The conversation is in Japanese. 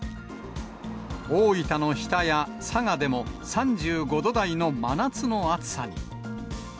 大分の日田や佐賀でも、３５度台の真夏の暑さに。